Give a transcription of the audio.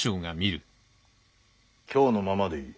今日のままでいい。